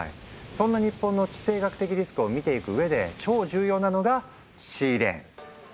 そんな日本の地政学的リスクを見ていく上で超重要なのがシーレーン！